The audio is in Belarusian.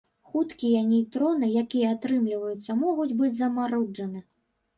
Хуткія нейтроны, якія атрымліваюцца, могуць быць замаруджаны.